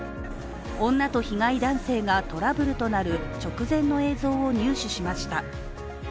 女と被害男性がトラブルとなる直前の映像を入手しました。